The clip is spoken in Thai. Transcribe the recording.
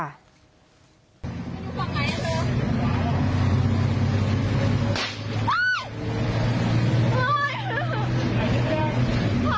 มันมาแล้ว